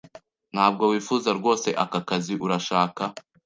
Ntabwo wifuza rwose aka kazi, urashaka?